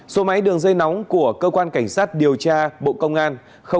số máy đường dây nóng của cơ quan cảnh sát điều tra bộ công an